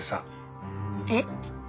えっ？